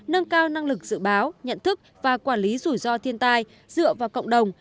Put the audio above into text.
nâng cao năng lực dự báo nhận thức và quản lý rủi ro thiên tai dựa vào cộng đồng